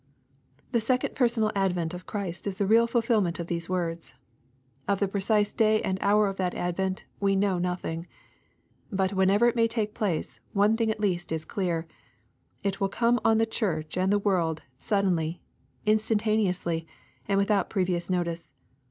'' LUKE, CHAP. XVII. 239 The second personal advent of Christ is the real ful filment of these words. Of the precise day and hour of that advent we know m)thing. But whenever it may take place, one thing at least is clear, — it will come on the Church and the world suddenly, instantaneously, and without previous notice.